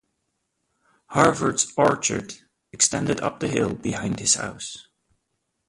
Harvard's orchard extended up the hill behind his house.